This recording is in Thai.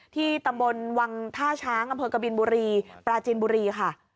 ตำบลวังท่าช้างอำเภอกบินบุรีปราจินบุรีค่ะ